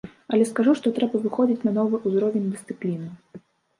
Але скажу, што трэба выходзіць на новы ўзровень дысцыпліны.